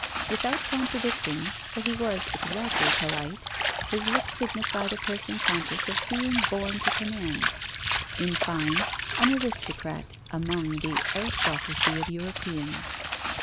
Without contradicting, for he was exactly polite, his look signified a person conscious of being born to command: in fine, an aristocrat among the 'aristocracy of Europeans.'